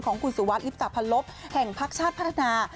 ของคุณสุวัสดิลิปตะพันลบแห่งพักชาติพัฒนา